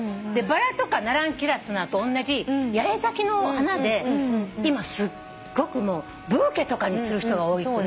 バラとかラナンキュラスとおんなじ八重咲きの花で今すっごくブーケとかにする人が多いって。